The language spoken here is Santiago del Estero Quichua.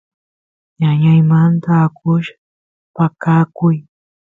ñañaymanta akush paqakuy